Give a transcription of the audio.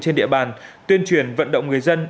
trên địa bàn tuyên truyền vận động người dân